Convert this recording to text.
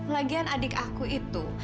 lagian adik aku itu